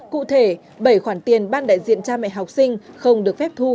cụ thể bảy khoản tiền ban đại diện cha mẹ học sinh không được phép thu